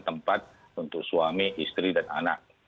tempat untuk suami istri dan anak